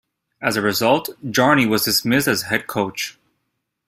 As a result, Jarni was dismissed as head coach.